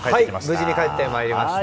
無事に帰ってまいりました。